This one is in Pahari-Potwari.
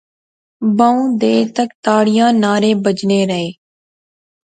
بہوں دیر تک تاڑیاں نعرے بجنے رہے